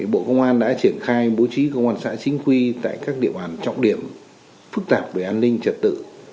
bộ công an đã triển khai bố trí công an xã chính quy tại các địa bàn trọng điểm phức tạp về an ninh trật tự